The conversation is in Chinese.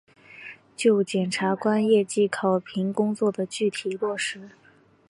就检察官业绩考评工作的具体落实